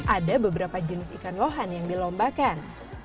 ada beberapa jenis ikan lohan yang dilombakan